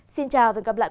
xin chào và hẹn gặp lại